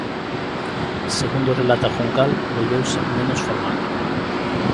Segundo relata Juncal, volveuse "menos formal".